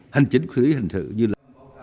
hành chính xử lý hình thự như là